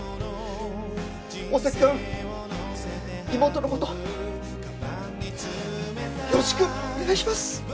大崎君妹の事よろしくお願いします。